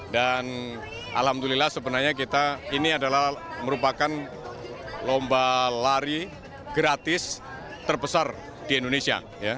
dan alhamdulillah sebenarnya kita ini adalah merupakan lomba lari gratis terbesar di indonesia